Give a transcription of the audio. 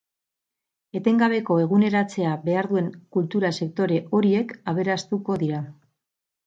Etengabeko eguneratzea behar duen kultura sektore horiek aberastuko dira.